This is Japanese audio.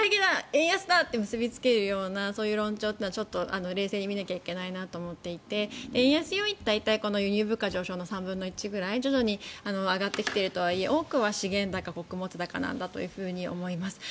円安だと結びつけるようなそういう論調は冷静に見なきゃいけないと思っていて円安要因は輸入物価上昇の３分の１ぐらい徐々に上がってきているとはいえ多くは資源高、穀物高なんだと思います。